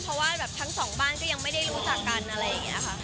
เพราะว่าแบบทั้งสองบ้านก็ยังไม่ได้รู้จักกันอะไรอย่างนี้ค่ะ